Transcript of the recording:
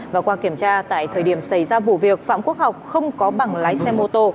và qua kiểm tra tại thời điểm xảy ra vụ việc phạm quốc học không có bằng lái xe mô tô